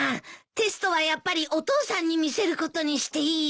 テストはやっぱりお父さんに見せることにしていい？